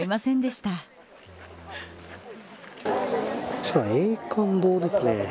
こちら、永観堂ですね。